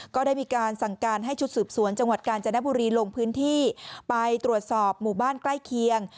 ก็ได้มีการสั่งการให้ชุดสืบสวนจังหวัดกาญจนบุรีลงพื้นที่ไปตรวจสอบหมู่บ้านใกล้เคียง